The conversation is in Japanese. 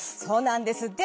そうなんです。